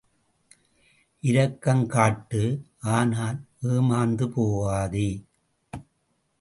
இரக்கங் காட்டு ஆனால், ஏமாந்து போகாதே.